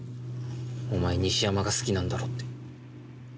お前西山が好きなんだろって。